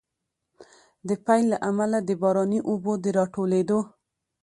د پيل له امله، د باراني اوبو د راټولېدو